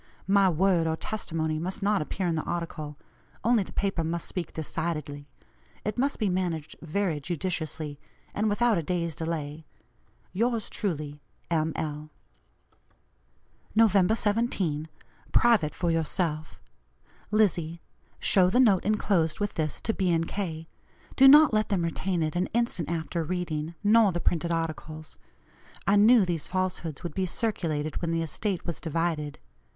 My word or testimony must not appear in the article; only the paper must speak decidedly. It must be managed very judiciously, and without a day's delay. "Yours truly, "M. L." "Nov 17 (Private for yourself). "LIZZIE: Show the note enclosed with this to B. & K.; do not let them retain it an instant after reading, nor the printed articles. I knew these falsehoods would be circulated when the estate was divided.